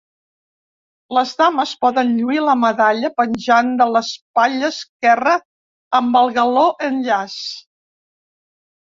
Les dames poden lluir la medalla penjant de l'espatlla esquerra amb el galó en llaç.